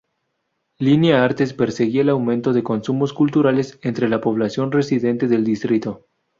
Línea Artes perseguía el aumento de consumos culturales entre la población residente del distrito.